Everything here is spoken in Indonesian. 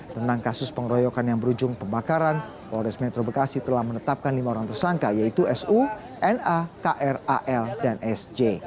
tentang kasus pengeroyokan yang berujung pembakaran polres metro bekasi telah menetapkan lima orang tersangka yaitu su na kr al dan sj